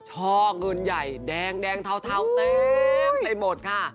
ท่อเงินใหญ่แดงเทาเต็มไปหมดค่ะ